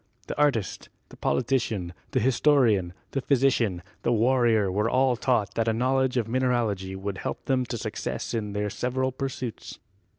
The artist, the politician, the historian, the physician, the warrior were all taught that a knowledge of mineralogy would help them to success in their several pursuits.